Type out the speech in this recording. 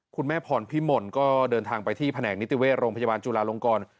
พรพิมลก็เดินทางไปที่แผนกนิติเวชโรงพยาบาลจุลาลงกร